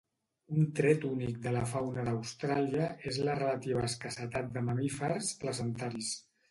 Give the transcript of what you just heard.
Un tret únic de la fauna d'Austràlia és la relativa escassetat de mamífers placentaris.